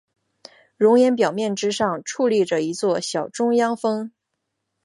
熔岩表面之上矗立着一座小中央峰。